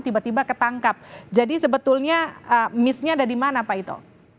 tiba tiba ketangkap jadi sebetulnya missnya ada di mana pak ito